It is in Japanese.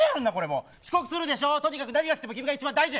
とにかく何がきても君が一番大事。